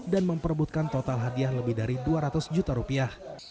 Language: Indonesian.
dan memperbutkan total hadiah lebih dari dua ratus juta rupiah